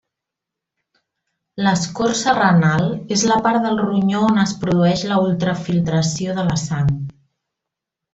L'escorça renal és la part del ronyó on es produeix la ultrafiltració de la sang.